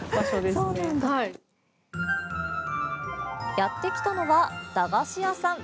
やってきたのは駄菓子屋さん。